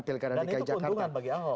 ke lkr dki jakarta nah itu keuntungan